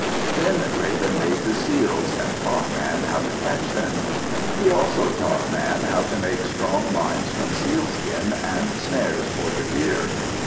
Then Raven made the seals, and taught Man how to catch them. He also taught Man how to make strong lines from sealskin, and snares for the deer.